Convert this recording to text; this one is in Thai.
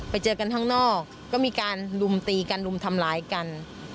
ไปเจอกันข้างนอกก็มีการลุมตีกันรุมทำร้ายกัน